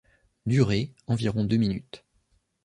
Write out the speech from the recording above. Durée: environ deux minutes.